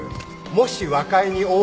もし和解に応じ。